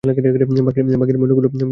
ভাগ্যের মণিগুলো বানাচ্ছে।